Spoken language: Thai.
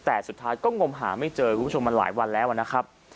แต่สุดท้ายก็งมหาไม่เจอคุณผู้ชมมันหลายวันแล้วนะครับ